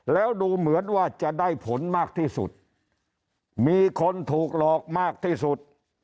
แล้วดูเหมือนว่าจะได้ผลมากที่สุดมีคนถูกหลอกมากที่สุด